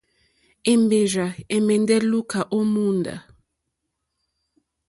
Èmbèrzà ɛ̀mɛ́ndɛ́ lùúká ó mòóndá.